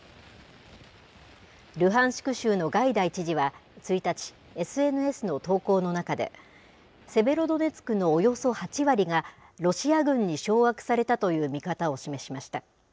ルハンシク州のガイダイ知事は１日、ＳＮＳの投稿の中で、セベロドネツクのおよそ８割が、ロシア軍に掌握されたという見方を示しました。